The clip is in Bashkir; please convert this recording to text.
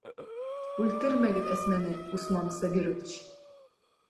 Үлтермәгеҙ Әсмәне, Усман Сабирович!